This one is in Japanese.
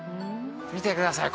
見てください